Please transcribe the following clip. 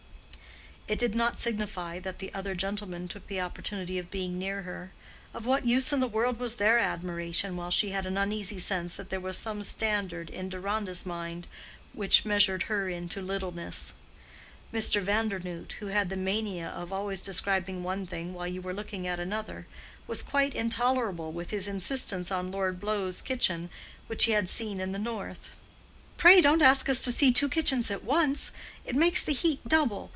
It did not signify that the other gentlemen took the opportunity of being near her: of what use in the world was their admiration while she had an uneasy sense that there was some standard in Deronda's mind which measured her into littleness? Mr. Vandernoodt, who had the mania of always describing one thing while you were looking at another, was quite intolerable with his insistence on Lord Blough's kitchen, which he had seen in the north. "Pray don't ask us to see two kitchens at once. It makes the heat double.